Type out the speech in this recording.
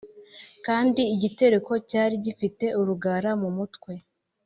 Kandi igitereko cyari gifite urugara mu mutwe